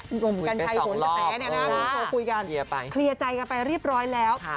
คุยไป๒รอบโอ้โฮคุยกันเคลียร์ไปเคลียร์ใจกันไปเรียบร้อยแล้วค่ะ